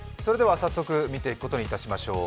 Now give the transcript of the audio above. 早速見ていくことにいたしましょう。